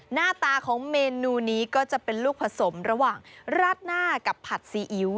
หน้าตาของเมนูนี้ก็จะเป็นลูกผสมระหว่างราดหน้ากับผัดซีอิ๊ว